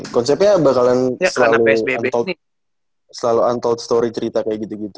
konsepnya bakalan selalu untold story cerita kayak gitu gitu